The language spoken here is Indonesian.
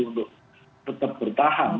untuk tetap bertahan